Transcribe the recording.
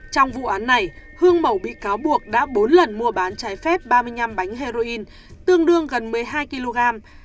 trong vụ án này hương mầu bị cáo buộc đã bốn lần mua bán trái phép ba mươi năm bánh heroin tương đương gần một mươi hai kg